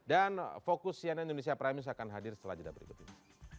dan fokus cnn indonesia prime akan hadir setelah jeda berikut ini